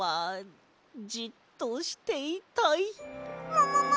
ももも？